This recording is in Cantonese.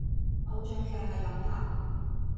偶像劇係噉拍！